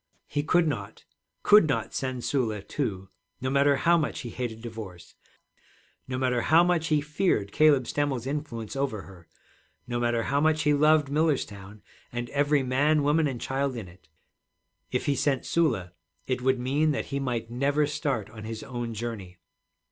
He could not, could not send Sula, too, no matter how much he hated divorce, no matter how much he feared Caleb Stemmel's influence over her, no matter how much he loved Millerstown and every man, woman, and child in it. If he sent Sula, it would mean that he might never start on his own journey.